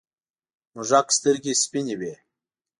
موږک سترگې سپینې وې.